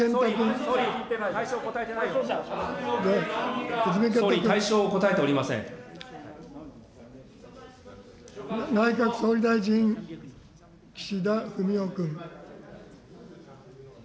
総理、内閣総理大臣、岸田文雄君。